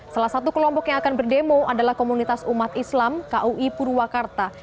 salah satu kelompok yang akan berdemo adalah komunitas umat islam kui purwakarta